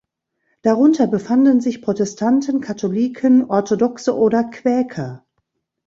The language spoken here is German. Darunter befanden sich Protestanten, Katholiken, Orthodoxe oder Quäker.